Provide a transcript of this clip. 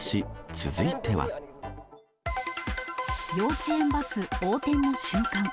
幼稚園バス横転の瞬間。